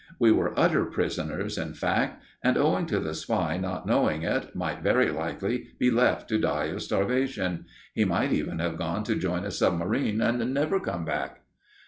We were utter prisoners, in fact, and, owing to the spy not knowing it, might very likely be left to die of starvation. He might even have gone to join a submarine, and never come back.